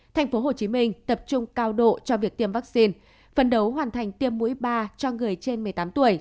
tp hcm tập trung cao độ cho việc tiêm vaccine phần đấu hoàn thành tiêm mũi ba cho người trên một mươi tám tuổi